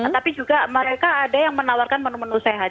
tapi juga mereka ada yang menawarkan menu menu sehat